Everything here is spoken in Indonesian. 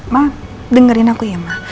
ma dengerin aku ya ma